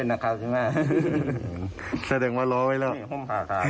มาดูประเด็น